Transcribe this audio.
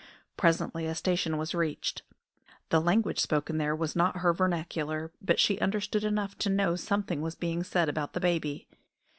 Presently a station was reached. The language spoken there was not her vernacular, but she understood enough to know something was being said about the baby.